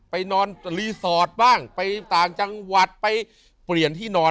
ไปนอนรีสอร์ทบ้างไปต่างจังหวัดไปเปลี่ยนที่นอน